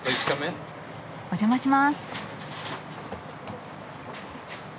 お邪魔します。